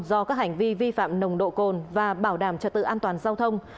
do các hành vi vi phạm nồng độ cồn và bảo đảm trật tự an toàn giao thông